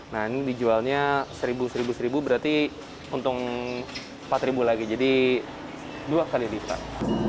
nah ini dijualnya rp satu satu berarti untung rp empat lagi jadi dua kali lebih pak